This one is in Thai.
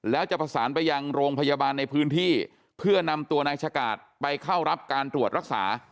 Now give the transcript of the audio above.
แล้วจะประสานไปยังโรงพยาบาลในพื้นที่เพื่อนำตัวนายชะกาดไปเข้ารับการตรวจรักษา